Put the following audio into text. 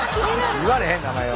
言われへん名前は。